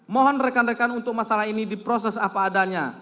mohon rekan rekan untuk masalah ini diproses apa adanya